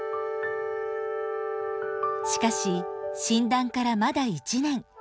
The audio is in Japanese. しかし診断からまだ１年。